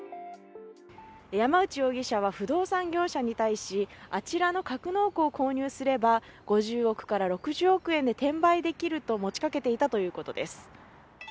山内容疑者は不動産業者に対しあちらの格納庫を購入すれば５０億から６０億円で転売できると持ちかけていたということです。